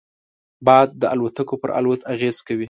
باد د الوتکو پر الوت اغېز کوي